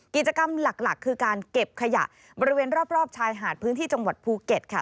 กิจกรรมหลักคือการเก็บขยะบริเวณรอบชายหาดพื้นที่จังหวัดภูเก็ตค่ะ